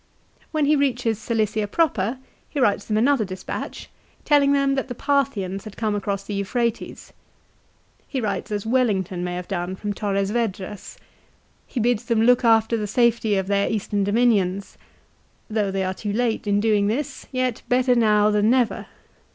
When he reaches Cilicia proper he writes them another despatch, telling them that the Parthians had come across the Euphrates. He writes as Wellington may have done from Torres Vedras. He bids them look after the safety of their Eastern dominions. Though they are too late in doing this, yet better now than never.